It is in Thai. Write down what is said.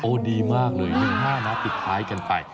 ดีมากเลย๑๕นะปิดท้ายกันไป